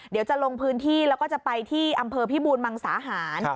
เดี๋ยวจะลงพื้นที่แล้วก็จะไปที่อำเภอพิบูรมังสาหาร